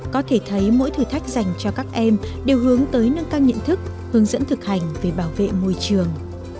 có thể thấy mỗi thử thách dành cho các em đều hướng tới nâng cao nhận thức hướng dẫn thực hành về bảo vệ môi trường